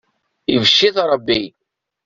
Ibecc-it Ṛebbi.